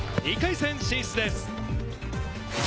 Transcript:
２回戦進出です。